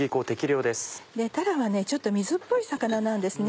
たらはちょっと水っぽい魚なんですね。